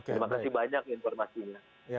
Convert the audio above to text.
terima kasih banyak informasinya